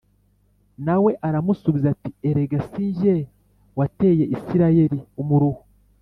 Na we aramusubiza ati “Erega si jye wateye Isirayeli umuruho”